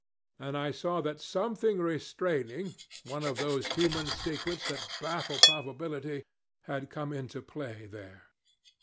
And I saw that something restraining, one of those human secrets that baffle probability, had come into play there.